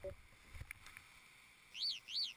Mshindi mwenza wa tuzo hiyo mwaka jana